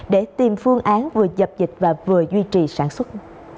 để tìm phương án vừa dập dịch và vừa duy trì sản xuất